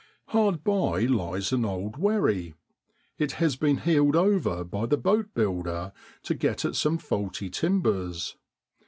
Hard by lies an old wherry. It has been heeled over by the boat builder to get at some faulty timbers.